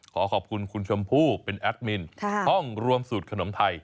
ขอขอบคุณคุณชมพู่เป็นแอดมินห้องรวมสูตรขนมไทย